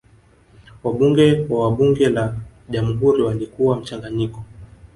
wabunge wa bunge la jamhuri walikuwa mchanganyiko